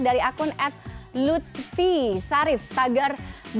dari akun at lutfi sarif tagar dua ribu dua puluh